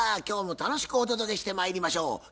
今日も楽しくお届けしてまいりましょう。